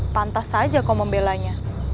pantas saja kau membelanya